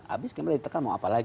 abis kemudian ditekan mau apalagi